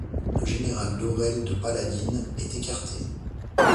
Le général d'Aurelle de Paladines est écarté.